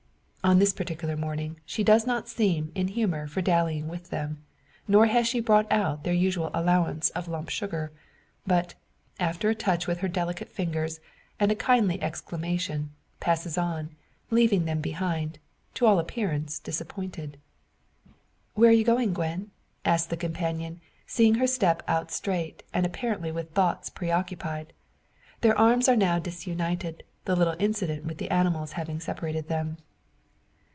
On this particular morning she does not seem in the humour for dallying with them; nor has she brought out their usual allowance of lump sugar; but, after a touch with her delicate fingers, and a kindly exclamation, passes on, leaving them behind, to all appearance disappointed. "Where are you going, Gwen?" asks the companion, seeing her step out straight, and apparently with thoughts preoccupied. Their arms are now disunited, the little incident with the animals having separated them.